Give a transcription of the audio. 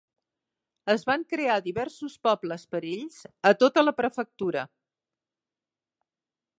Es van crear diversos pobles per a ells a tota la prefectura.